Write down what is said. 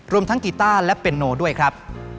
รวมทั้งกีต้าและเป็นโนด้วยครับ